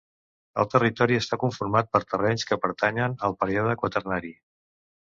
El territori està conformat per terrenys que pertanyen al període quaternari.